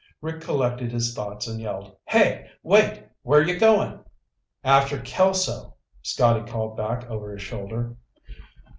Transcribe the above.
Rick collected his thoughts and yelled, "Hey! Wait! Where're you going?" "After Kelso," Scotty called back over his shoulder.